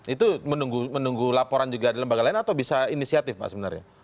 itu menunggu laporan juga di lembaga lain atau bisa inisiatif pak sebenarnya